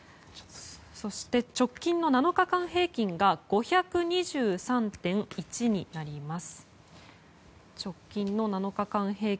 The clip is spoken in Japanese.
そして、直近の７日間平均が５２３．１人です。